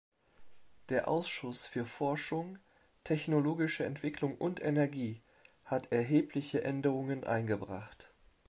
Der Ausschuss für Forschung, technologische Entwicklung und Energie hat erhebliche Änderungen eingebracht.